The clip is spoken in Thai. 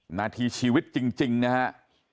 หน้าที่ชีวิตจริงนะฮะ